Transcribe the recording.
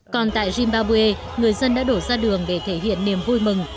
còn tại zimbabwe người dân đã đổ ra đường để thể hiện niềm vui mừng